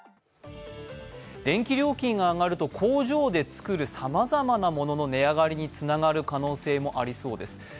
電気料金が上がると工場で作るさまざまなものの値上がりにつながる可能性もありそうです。